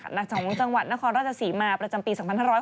หลักจากวังจังหวัดนครราชสีมาประจำปี๒๕๖๑